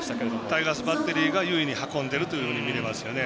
タイガースバッテリーが優位に運んでるというふうに見えますね。